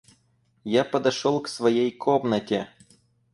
Я подошел к своей комнате.